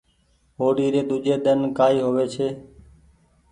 هوڙي ري ۮوجي ۮنين ڪآئي ڪيوي ڇي